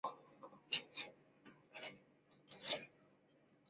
该镇的市政大楼和部分酒店有法国外籍兵团驻守。